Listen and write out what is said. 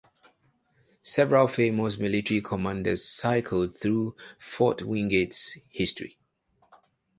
Several famous military commanders cycled through Fort Wingate's history.